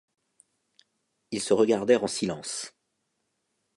Ils se regardèrent en silence.